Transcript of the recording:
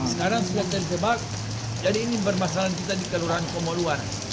sekarang sudah terjebak jadi ini bermasalah kita di kelurahan komolu